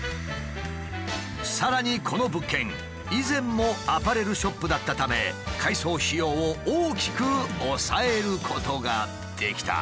さらにこの物件以前もアパレルショップだったため改装費用を大きく抑えることができた。